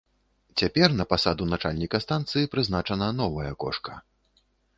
Цяпер на пасаду начальніка станцыі прызначаная новая кошка.